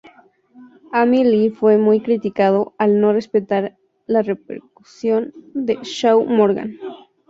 Amy Lee fue muy criticada al no respetar la recuperación de Shaun Morgan.